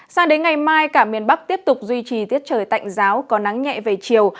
sang đến ngày mai cả miền bắc tiếp tục duy trì tiết trời tạnh giáo có nắng nhẹ về chiều